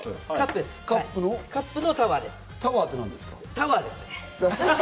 タワーですね。